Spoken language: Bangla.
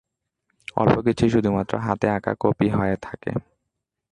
অল্প কিছুই শুধুমাত্র হাতে আঁকা কপি হয়ে থাকে।